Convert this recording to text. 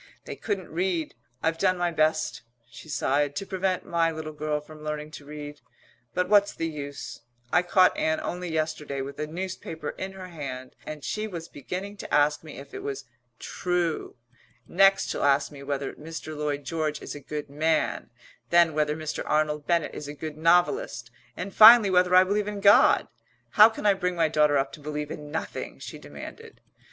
They couldn't read. I've done my best," she sighed, "to prevent my little girl from learning to read, but what's the use? I caught Ann only yesterday with a newspaper in her hand and she was beginning to ask me if it was 'true.' Next she'll ask me whether Mr. Lloyd George is a good man, then whether Mr. Arnold Bennett is a good novelist, and finally whether I believe in God. How can I bring my daughter up to believe in nothing?" she demanded.